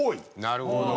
なるほど。